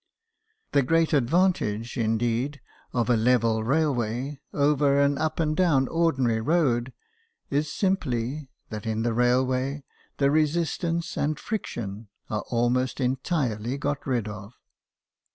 The great advantage, indeed, of a level railway over an up and down ordinary road is simply that in the railway the resistance and friction are almost entirely got rid of.